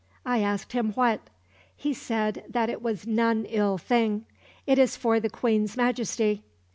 I asked him what. He said it was none ill thing; it is for the Queen's Majesty.